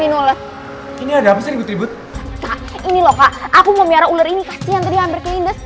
ini ada apa sih ini loh kak aku mau biar ular ini kasihan tadi hampir ke lindes